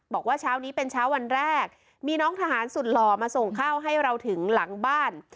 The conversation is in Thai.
บอกว่าเช้านี้เป็นเช้าวันแรกมีน้องทหารสุดหล่อมาส่งข้าวให้เราถึงหลังบ้าน